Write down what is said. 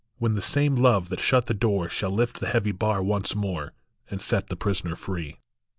When the same Love that shut the door Shall lift the heavy bar once more, And set the prisoner free.